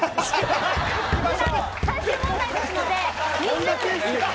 最終問題ですので。